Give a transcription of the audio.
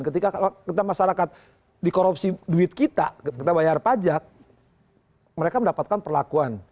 ketika kita masyarakat dikorupsi duit kita kita bayar pajak mereka mendapatkan perlakuan